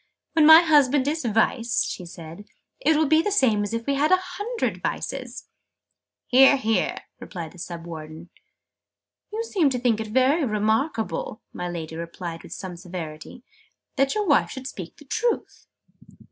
"When my husband is Vice," she said, "it will be the same as if we had a hundred Vices!" "Hear, hear!" cried the Sub Warden. "You seem to think it very remarkable," my Lady remarked with some severity, "that your wife should speak the truth!"